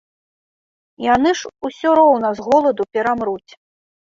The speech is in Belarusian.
Яны ж усё роўна з голаду перамруць.